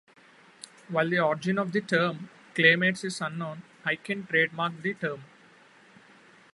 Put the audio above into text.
While the origin of the term "Claymates" is unknown, Aiken trademarked the term.